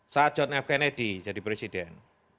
saat john f kennedy jadi presiden